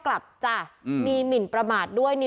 ก็กลายเป็นว่าติดต่อพี่น้องคู่นี้ไม่ได้เลยค่ะ